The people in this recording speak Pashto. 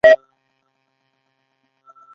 ایا زه ممیز خوړلی شم؟